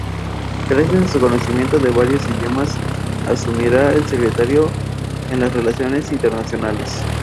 Gracias a su conocimiento de varios idiomas, asumirá el Secretariado en las Relaciones Internacionales.